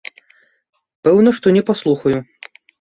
Пэўна, што не паслухаю.